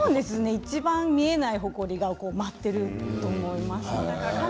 いちばん見えないほこりが舞っていると思います。